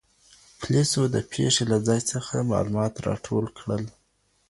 پولیسو د پېښې له ځای څخه معلومات راټول کړل.